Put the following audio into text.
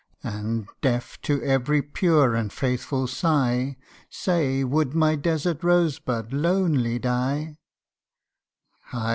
And, deaf to every pure and faithful sigh, Say, would my desert rose bud lonely die?'